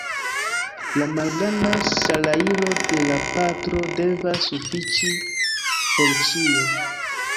La malgranda salajro de la patro devas sufiĉi por ĉio.